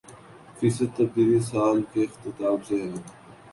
فیصد تبدیلی سال کے اختتام سے ہے